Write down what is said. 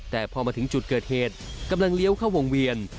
แต่พอมาถึงจุดเกิดเหตุกำลังเลี้ยวเข้าวงเวียน